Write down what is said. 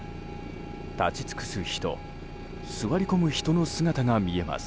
立ち尽くす人座り込む人の姿が見えます。